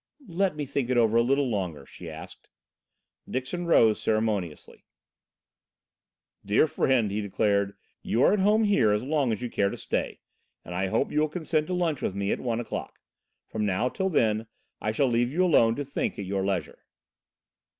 "Let me think it over a little longer," she asked. Dixon rose ceremoniously. "Dear friend," he declared, "you are at home here, as long as you care to stay, and I hope you will consent to lunch with me at one o'clock. From now till then I shall leave you alone to think at your leisure."